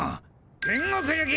天国行き！